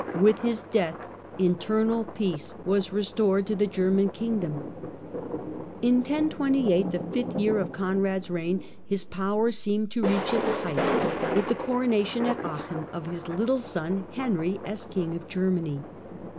With his death, internal peace was restored to the German kingdom. In 1028, the fifth year of Conrad's reign, his power seemed to reach its height with the coronation at Aachen of his little son Henry as King of Germany.